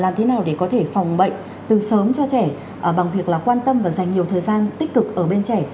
làm thế nào để có thể phòng bệnh từ sớm cho trẻ bằng việc là quan tâm và dành nhiều thời gian tích cực ở bên trẻ